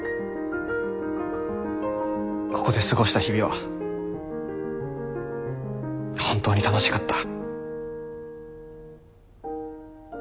「ここで過ごした日々は本当に楽しかった」。